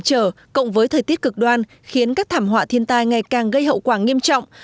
thời tiết cực đoan khiến các thảm họa thiên tai ngày càng gây hậu quả nghiêm trọng